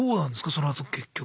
そのあと結局。